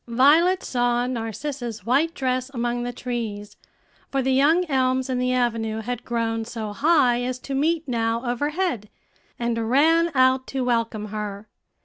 Violet saw Narcissa's white dress among the trees, for the young elms in the avenue had grown so high as to meet now overhead, and ran out to welcome her.